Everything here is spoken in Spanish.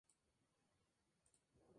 El curso tiene una duración de dos años.